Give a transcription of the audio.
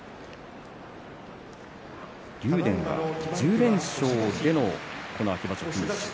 竜電は１０連勝での秋場所です。